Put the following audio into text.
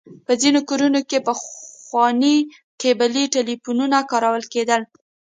په ځينې کورونو کې پخواني کيبلي ټليفونونه کارول کېدل.